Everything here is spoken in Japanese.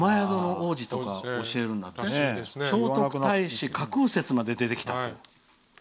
聖徳太子架空説まで出てきたって。